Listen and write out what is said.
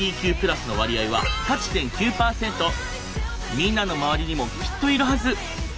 みんなの周りにもきっといるはず。